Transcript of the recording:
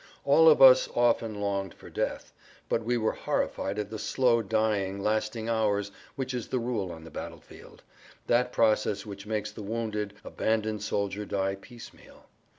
All of us often longed for death, but we were horrified at the slow dying lasting hours which is the rule on the battle field, that process which makes the wounded, abandoned soldier die piecemeal.